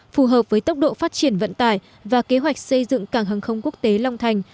phù hợp với tốc độ phát triển vận tải và kế hoạch xây dựng cảng hàng không quốc tế long thành